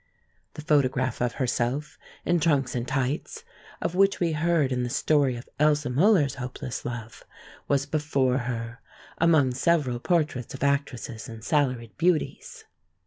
The photograph of herself in trunks and tights, of which we heard in the story of Elsa Muller's hopeless love, was before her, among several portraits of actresses and salaried beauties.